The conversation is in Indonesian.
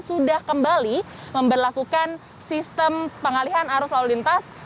sudah kembali memperlakukan sistem pengalihan arus lalu lintas